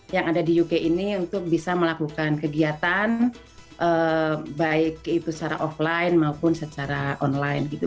yang ada di uk ini untuk bisa melakukan kegiatan baik itu secara offline maupun secara online gitu